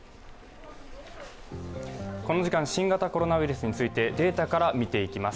この時間、新形コロナウイルスについてデータから見ていきます。